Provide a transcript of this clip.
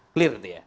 clear gitu ya